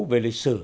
về lịch sử